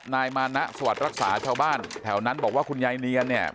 นายมานะสวัสดิ์รักษาชาวบ้านแถวนั้นบอกว่าคุณยายเนียนเนี่ย